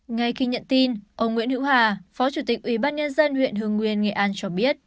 ngay khi nhận tin ông nguyễn hữu hà phó chủ tịch ủy ban nhân dân huyện hương nguyên nghệ an cho biết